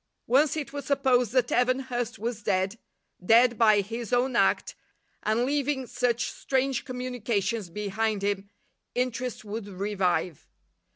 Once it was supposed that Evan Hurst was dead, dead by his own act, and leaving such strange communications behind him, interest would revive.